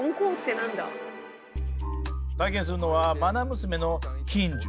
体験するのはまな娘の欣儒。